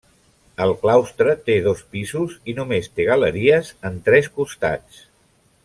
El claustre té dos pisos i només té galeries en tres costats.